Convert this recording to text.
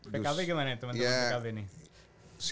pkb gimana teman teman pkb ini